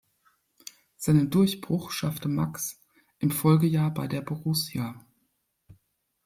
Seinen Durchbruch schaffte Max im Folgejahr bei der Borussia.